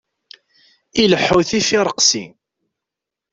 Ileḥḥu tifiṛeqsi.